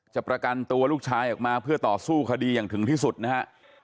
ประกันตัวลูกชายออกมาเพื่อต่อสู้คดีอย่างถึงที่สุดนะฮะ